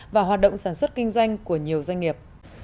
và hoạt động sản xuất kinh doanh của nhiều doanh nghiệp